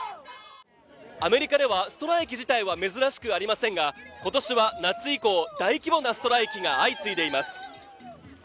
アメリカではストライキ自体は珍しくありませんが今年は夏以降、大規模なストライキが相次いでいます。